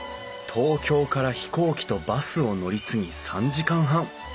東京から飛行機とバスを乗り継ぎ３時間半。